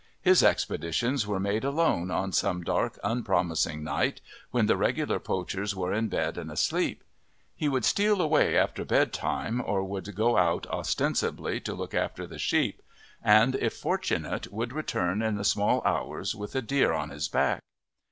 His expeditions were made alone on some dark, unpromising night, when the regular poachers were in bed and asleep. He would steal away after bedtime, or would go out ostensibly to look after the sheep, and, if fortunate, would return in the small hours with a deer on his back.